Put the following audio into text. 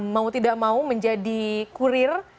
mau tidak mau menjadi kurir